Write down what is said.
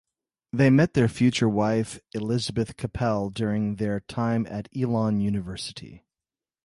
They met their future wife Elizabeth Capel during their time at Elon University.